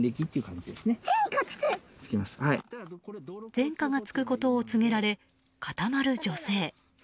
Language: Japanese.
前科がつくことを告げられ固まる女性。